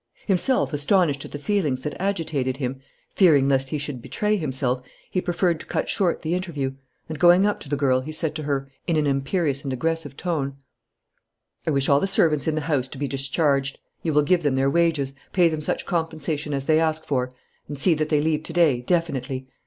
Himself astonished at the feelings that agitated him, fearing lest he should betray himself, he preferred to cut short the interview and, going up to the girl, he said to her, in an imperious and aggressive tone: "I wish all the servants in the house to be discharged. You will give them their wages, pay them such compensation as they ask for, and see that they leave to day, definitely.